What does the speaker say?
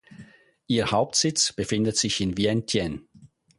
Ihr Hauptsitz befindet sich in Vientiane.